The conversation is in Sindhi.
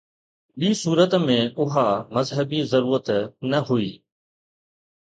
ٻي صورت ۾ اها مذهبي ضرورت نه هئي.